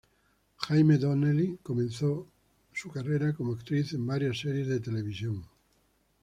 Jamie Donnelly comenzó su carrera como actriz en varias series de televisión.